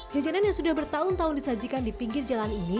jajanan yang sudah bertahun tahun disajikan di pinggir jalan ini